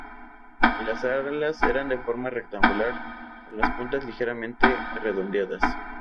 Las alas eran de forma rectangular, con las puntas ligeramente redondeadas.